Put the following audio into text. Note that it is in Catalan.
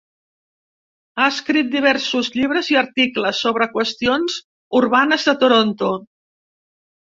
Ha escrit diversos llibres i articles sobre qüestions urbanes de Toronto.